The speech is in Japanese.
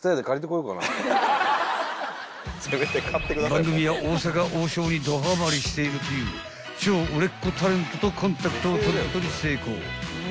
［番組は大阪王将にどはまりしているという超売れっ子タレントとコンタクトを取ることに成功］